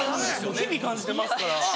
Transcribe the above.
日々感じてますから。